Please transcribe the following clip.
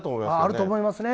あると思いますね。